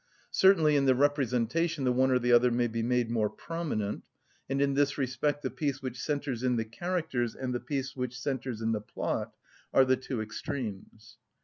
Certainly, in the representation, the one or the other may be made more prominent; and in this respect the piece which centres in the characters and the piece which centres in the plot are the two extremes.